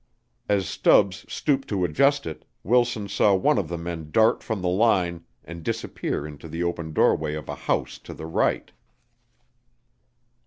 As Stubbs stooped to adjust it, Wilson saw one of the men dart from the line and disappear into the open doorway of a house to the right.